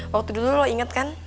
waktu dulu lo inget kan